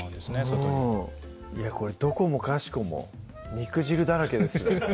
外にこれどこもかしこも肉汁だらけですよ